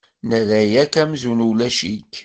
Nerra-k amzun ulac-ik.